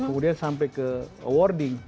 kemudian sampai ke awarding